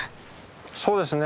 そうですね。